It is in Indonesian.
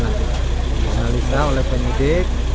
analisa oleh penduduk